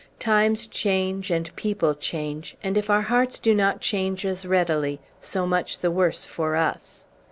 "Times change, and people change; and if our hearts do not change as readily, so much the worse for us.